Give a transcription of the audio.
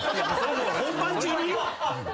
本番中に？